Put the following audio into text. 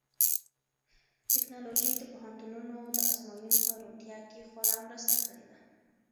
ټیکنالوژي د پوهنتونونو د ازموینو په روڼتیا کې خورا مرسته کړې ده.